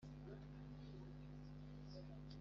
kuburyo nawe uzabona ko uburere